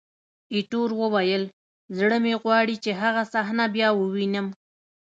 ایټور وویل: زړه مې غواړي چې هغه صحنه بیا ووینم.